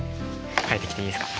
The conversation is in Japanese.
書いてきていいですか？